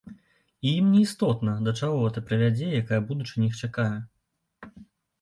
І ім не істотна, да чаго гэта прывядзе і якая будучыня іх чакае.